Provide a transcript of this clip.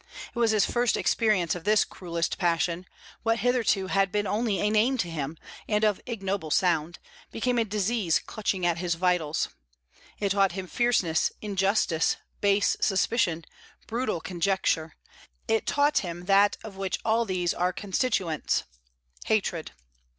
It was his first experience of this cruellest passion: what hitherto had been only a name to him, and of ignoble sound, became a disease clutching at his vitals. It taught him fierceness, injustice, base suspicion, brutal conjecture; it taught him that of which all these are constituents hatred.